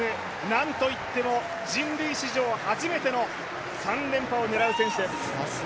なんといっても人類史上初めての３連覇を狙う選手です。